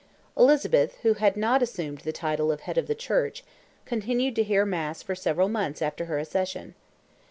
Elizabeth, who had not assumed the title of "Head of the Church," continued to hear Mass for several months after her accession.